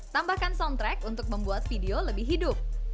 tambahkan soundtrack untuk membuat video lebih hidup